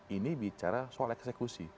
ini bicara soal eksekusi